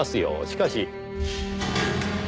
しかし。